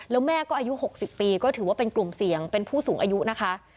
แล้วแม่ก็อายุ๖๐ปีก็ถือว่าเป็นกลุ่มเสี่ยงเป็นผู้สูงอายุนะคะ